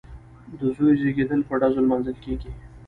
د زوی زیږیدل په ډزو لمانځل کیږي.